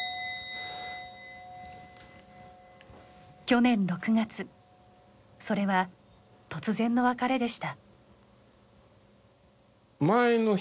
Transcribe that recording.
去年６月それは突然の別れでした。